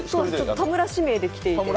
田村指名で来ているので。